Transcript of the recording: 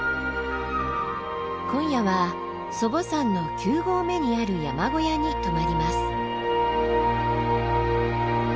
今夜は祖母山の９合目にある山小屋に泊まります。